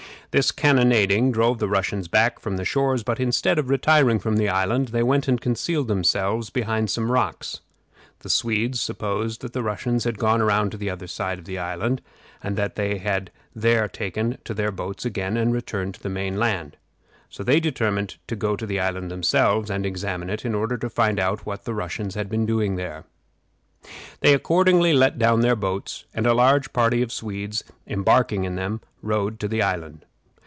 This cannonading drove the Russians back from the shores, but instead of retiring from the island they went and concealed themselves behind some rocks. The Swedes supposed that the Russians had gone around to the other side of the island, and that they had there taken to their boats again and returned to the main land; so they determined to go to the island themselves, and examine it, in order to find out what the Russians had been doing there. They accordingly let down their boats, and a large party of Swedes embarking in them rowed to the island.